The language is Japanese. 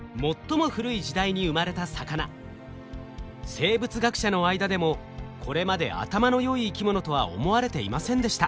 生物学者の間でもこれまで頭の良い生き物とは思われていませんでした。